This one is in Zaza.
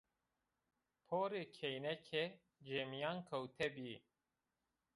Porê kêneke cêmîyankewte bî